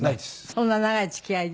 そんな長い付き合いで？